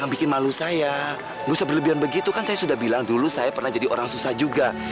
aku boleh gak minjem bahu kamu sebentar aja